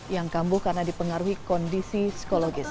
yang kambuh karena dipengaruhi kondisi psikologis